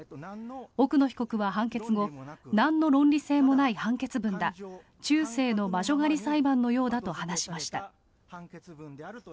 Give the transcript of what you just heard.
奥野被告は判決後なんの論理性もない判決文だ中世の魔女狩り裁判のようだと話しました。